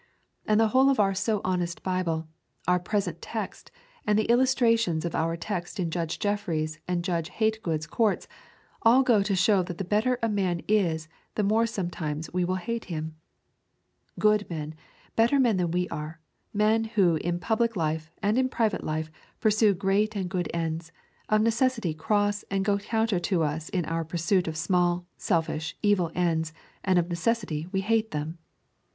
And the whole of our so honest Bible, our present text, and the illustrations of our text in Judge Jeffreys' and Judge Hate good's courts, all go to show that the better a man is the more sometimes will we hate him. Good men, better men than we are, men who in public life and in private life pursue great and good ends, of necessity cross and go counter to us in our pursuit of small, selfish, evil ends, and of necessity we hate them.